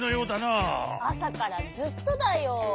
あさからずっとだよ。